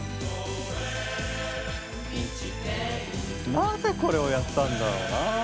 なぜこれをやったんだろうな。